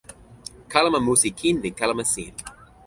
kalama musi kin li kalama sin.